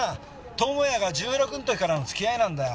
友也が１６の時からの付き合いなんだよ。